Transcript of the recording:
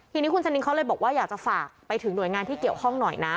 ทีนี้คุณชะนินเขาเลยบอกว่าอยากจะฝากไปถึงหน่วยงานที่เกี่ยวข้องหน่อยนะ